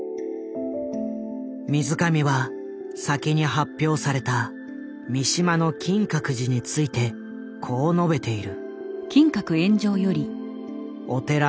水上は先に発表された三島の「金閣寺」についてこう述べている。